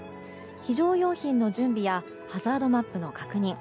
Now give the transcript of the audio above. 非常用品の準備やハザードマップの確認。